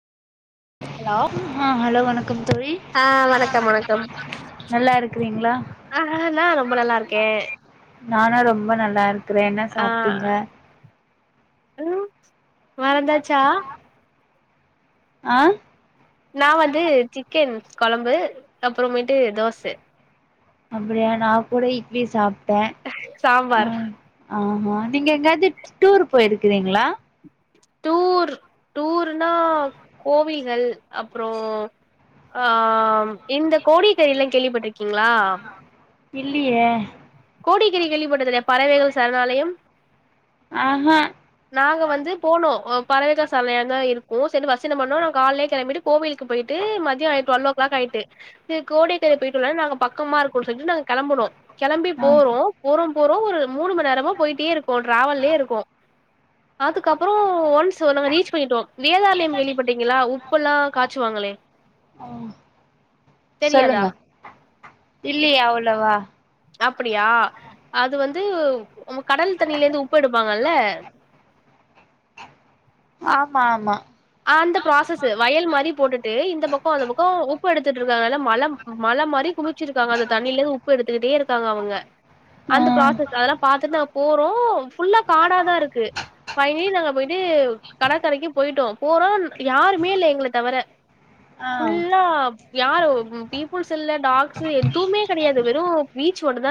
hello ஆ hello வணக்கம் தோழி ஆ வணக்கம் வணக்கம் நல்லா இருக்கிறீங்களா ஆஹ நா ரொம்ப நல்லாருக்கே நானு ரொம்ப நல்லாருக்குற என்ன ஆ சாப்ட்டீங்க ம் மறந்தாச்சா அ நா வந்து சிக்கன் கொழம்பு அப்புறமேட்டு தோச அப்படியா நா கூட இட்லி சாப்ட்ட சாம்பார் ம் ஆஹ நீங்க எங்யாது டூர் போய்ருக்குறீங்ளா டூர் டூர்னா கோவிகள் அப்றோ ஆ இந்த கோடியகரைல்லா கேள்வி பட்ருக்கீங்ளா இல்லியே கோடியக்கரை கேள்விப்பட்டதுல்லயா பறவேகள் சரணாலயம் அ ஹ நாங்க வந்து போனோ பறவைக சால்யாதா இருக்கு சேரின்ட்டு வர்ஸ்டு என்ன பண்ணோ நம் கால்லே கிளம்பிட்டு கோவில் கு போய்ட்டு மதியோ ஆயி ட்வல் ஓ க்ளாக் ஆயிட்டு தே கோடியக்கரை பேய்ட்டு வரலான் நாங்க பக்கமா இருக்கோன் சொல்ட்டு நாங்க கிளம்புனோ கிளம்பி ஆ போறோ போறோ போறோ ஒரு மூணுமநேரமா போயிட்டேருக்கோ ட்ராவல்லேருக்கோ கப்புறோ ஒன்ஸ் ஓ நாங்க ரீச் பண்ணிடோ வேதார்ண்யம் கேள்விப்பட்டீங்கிளா உப்புல்லா காச்சுவாங்களே ஒ தெரியாதா சொல்லுங்க இல்லயே அவுளவா அப்புடியா அது வந்து மு கடல் தண்ணியிலேந்து உப்பு எடுப்பாங்கல்ல ஆமா ஆமா ஆந்த ப்ராசஸ்ஸு வயல் மாரி போட்டுட்டு இந்த பக்கோ அந்த பக்கோ உப்பு எடுத்துட்டுருக்காங்கல்ல மலம் மல மாரி குமிச்சிருக்காங்க அத தண்ணிலே உப்பு எடுத்துக்கிட்டே இருக்காங்க அவுங்க ஆ அந்த ப்ராசஸ் அதுலா பாத்து நா போறோ ஃபுல்லா காடாதா இருக்கு பைனி நாங்க போய்ட்டு கடற்கரைக்கு போயிட்டோ போறோ யாருமே இல்ல எங்ள தவர ஆ ஃபுல்லா யாரு பீப்புள்ஸ் இல்ல டாக்ஸ் எதுமே கடையாது வெறு பீச் ஒன்னுதா